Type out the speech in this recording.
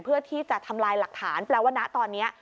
เพื่อที่จะทำลายหลักฐานแปลว่านะตอนนี้